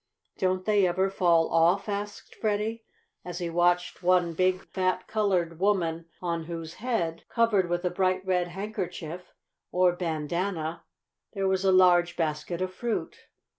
"Don't they ever fall off?" asked Freddie, as he watched one big, fat colored woman on whose head, covered with a bright, red handkerchief, or "bandanna," there was a large basket of fruit.